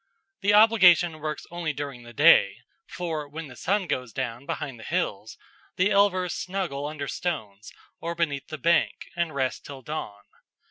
The obligation works only during the day, for when the sun goes down behind the hills the elvers snuggle under stones or beneath the bank and rest till dawn.